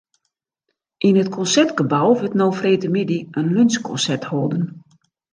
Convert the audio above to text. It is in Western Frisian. Yn it Konsertgebou wurdt no freedtemiddei in lunsjkonsert holden.